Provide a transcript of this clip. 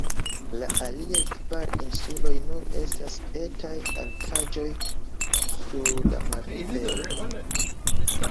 La aliaj kvar insuloj nur estas etaj altaĵoj sur la marnivelo.